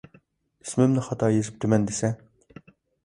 ئىسمىمنى خاتا يېزىپتىمەن دېسە.